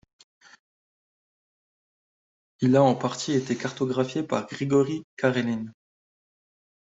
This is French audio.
Il a en partie été cartographié par Grigori Kareline.